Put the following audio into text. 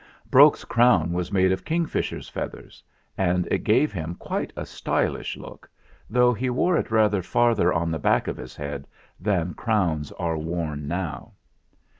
Brok's crown was made of kingfishers' feathers, and it gave him quite a stylish look, though he wore it rather farther on the back of his head than crowns are worn now.